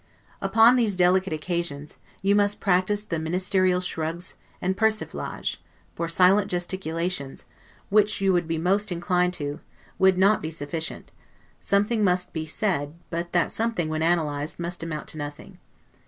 Upon these delicate occasions, you must practice the ministerial shrugs and 'persiflage'; for silent gesticulations, which you would be most inclined to, would not be sufficient: something must be said, but that something, when analyzed, must amount to nothing.